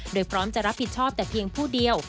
โดยพร้อมจะรับผิดชอบแต่เพียงผู้เดียว